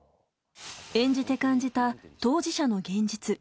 演じて感じた当事者の現実。